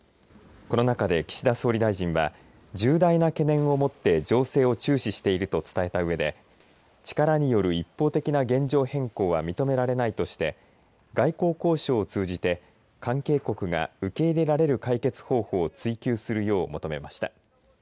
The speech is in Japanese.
この中で岸田総理大臣は重大な懸念をもって情勢を注視していると伝えたうえで力による一方的な現状変更は認められないとして外交交渉を通じて関係国が受け入れられる解決方法を追求するよう求めました。